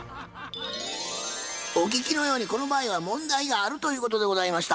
お聞きのようにこの場合は問題があるということでございました。